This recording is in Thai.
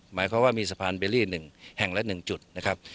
หมายความว่ามีสะพานเบลลี่๑แห่งละ๑จุดนะครับ